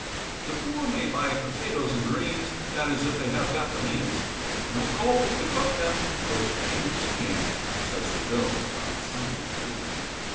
The poor may buy potatoes and greens, That is if they have got the means, But no coals to cook them, though strange it seems, Says the Bill on Sunday trading.